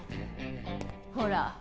ほら